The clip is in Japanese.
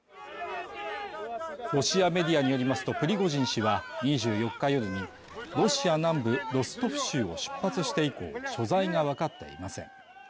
ロシアメディアによりますとプリゴジン氏は２４日夜にロシア南部ロストフ州を出発して以降、所在がわかっていません。